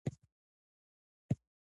عدالت امکان لري.